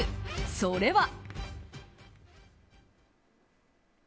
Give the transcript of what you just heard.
それは。